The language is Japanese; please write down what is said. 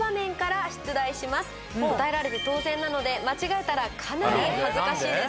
答えられて当然なので間違えたらかなり恥ずかしいです。